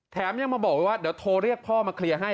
ยังมาบอกไว้ว่าเดี๋ยวโทรเรียกพ่อมาเคลียร์ให้